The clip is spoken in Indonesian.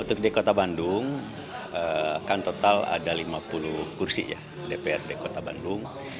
untuk di kota bandung kan total ada lima puluh kursi ya dprd kota bandung